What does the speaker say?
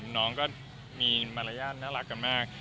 น้องก็มีมารยาทน่ารักกันมาก